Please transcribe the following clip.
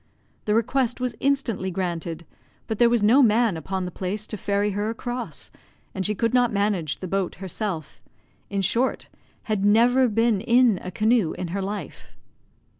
The request was instantly granted; but there was no man upon the place to ferry her across, and she could not manage the boat herself in short, had never been in a canoe in her life.